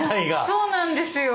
そうなんですよ！